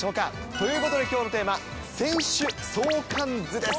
ということできょうのテーマ、選手相関図です。